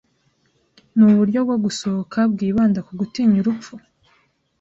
Nuburyo bwo gusohoka bwibanda ku gutinya urupfu?